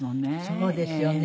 そうですね。